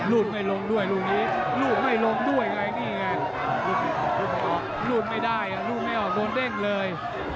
รุ่นไม่ได้รุ่นไม่ออกโดนเด้งเลย